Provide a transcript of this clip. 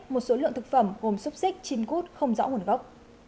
một số lượng thực phẩm gồm xúc xích chim cút không rõ nguồn gốc